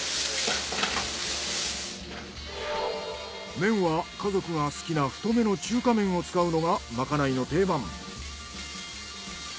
麺は家族が好きな太めの中華麺を使うのがまかないの定番。